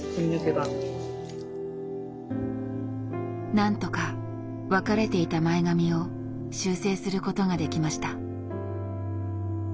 なんとか分かれていた前髪を修正することができました。